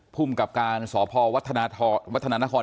ภูมิกับการสพวัฒนาวัฒนานคร